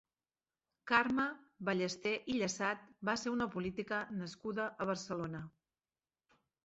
Carme Ballester i Llasat va ser una política nascuda a Barcelona.